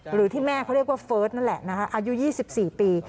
หรือที่แม่เขาเรียกว่าเฟิร์สนั่นแหละนะคะอายุ๒๔ปี